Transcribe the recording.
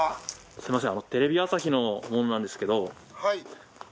すみません。